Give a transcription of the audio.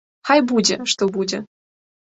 Хай будзе, што будзе!